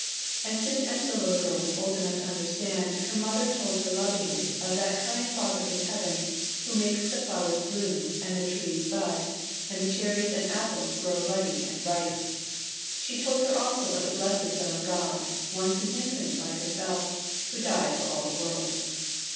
As soon as the little girl was old enough to understand, her mother told her lovingly of that kind Father in heaven who makes the flowers bloom and the trees bud and the cherries and apples grow ruddy and ripe; she told her also of the blessed Son of God, once an infant like herself, who died for all the world.